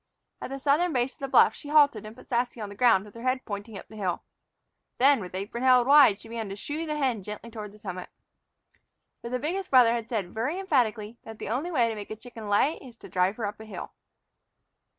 At the southern base of the bluff she halted and put Sassy on the ground with her head pointing up the hill. Then, with apron held wide, she began to shoo the hen gently toward the summit. For the biggest brother had said very emphatically that the only way to make a chicken lay is to drive her up a hill.